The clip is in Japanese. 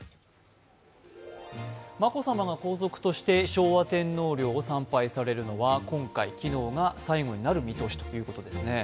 眞子さまが皇族として昭和天皇陵を参拝されるのは今回、昨日が最後になる見通しということですね。